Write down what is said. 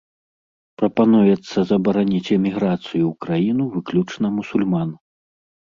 Прапануецца забараніць эміграцыю ў краіну выключна мусульман.